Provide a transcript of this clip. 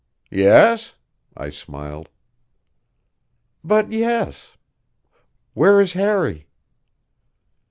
"Yes?" I smiled. "But, yes. Where is Harry?"